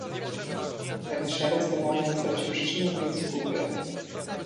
"Ten szelest o mało nie stał się przyczyną mej zguby."